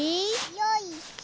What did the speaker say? よいしょ。